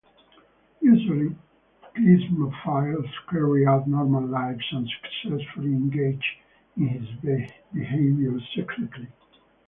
Usually, klismaphiles carry out normal lives and successfully engage in this behavior secretly.